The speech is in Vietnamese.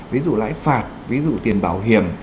ví dụ lãi phạt ví dụ tiền bảo hiểm